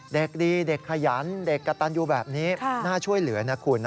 เด็กดีเด็กขยันเด็กกระตันยูแบบนี้น่าช่วยเหลือนะคุณ